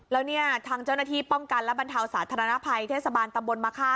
แล้วเนี่ยทางเจ้าหน้าที่ป้องกันและบรรเทาสาธารณภัยเทศบาลตำบลมะค่า